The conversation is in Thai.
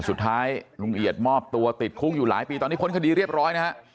สุดท้ายลุงเอียดมอบตัวติดคุกอยู่หลายปีตอนนี้พ้นคดีเรียบร้อยนะฮะ